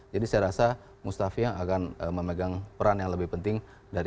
jadi saya rasa mustafi akan memegang peran yang lebih penting